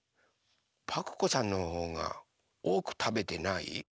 パクこさんのほうがおおくたべてない？